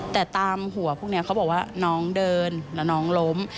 แต่ตามหัวพวกนี้เขาบอกว่าน้องเดินแล้วน้องล้ม